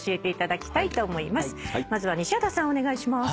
まずは西畑さんお願いします。